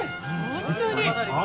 本当に！